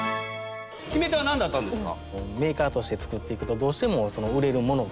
決め手は何だったんですか？